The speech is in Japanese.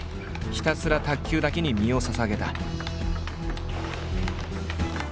ひたすら卓球だけに身をささげた。